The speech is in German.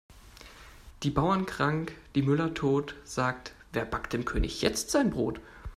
Die Bauern krank, die Müller tot, sagt wer backt dem König jetzt sein Brot?